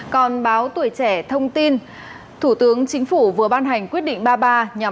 còn báo tuổi trẻ thông tin thủ tướng chính phủ vừa ban hành quyết định ba mươi ba nhằm